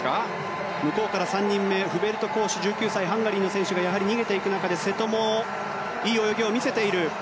フベルト・コーシュ、１９歳のハンガリーの選手が逃げていく中で瀬戸もいい泳ぎを見せている。